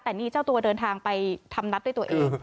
แต่นี่เจ้าตัวเดินทางไปทำนัดด้วยตัวเอง